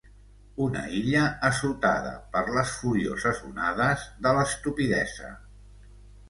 Una illa assotada per les furioses onades de l'estupidesa.